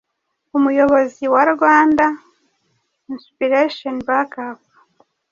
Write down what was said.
Umuyobozi wa Rwanda Inspiration Back Up,